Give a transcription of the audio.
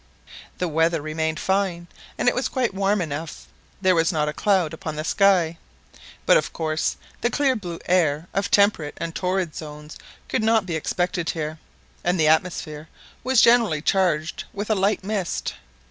The weather remained fine, and it was quite warm enough. There was not a cloud upon the sky; but, of course, the clear blue air of temperate and torrid zones could not be expected here, and the atmosphere was generally charged with a light mist.